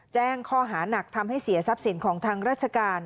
แจ้งข้อหานักทำให้เสียทรัพย์สินของทางราชการ